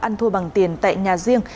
ăn thua bằng tiền tại nhà riêng